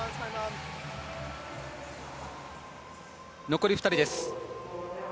残り２人です。